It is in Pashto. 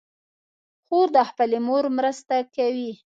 خور د خپلې مور مرسته کوي.